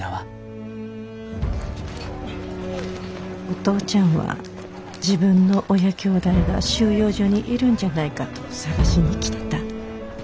お父ちゃんは自分の親きょうだいが収容所にいるんじゃないかと捜しに来てた。